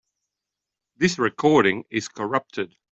This recording is corrupted.